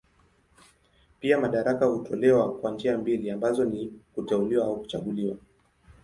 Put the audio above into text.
Pia madaraka hutolewa kwa njia mbili ambazo ni kuteuliwa na kuchaguliwa.